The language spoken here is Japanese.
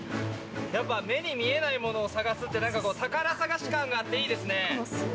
やっぱり目に見えないものを探すのって宝探し感があっていいですね。